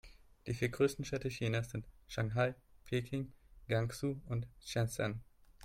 Die vier größten Städte Chinas sind Shanghai, Peking, Guangzhou und Shenzhen.